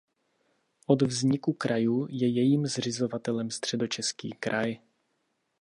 Od vzniku krajů je jejím zřizovatelem Středočeský kraj.